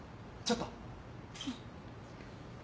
ちょっと。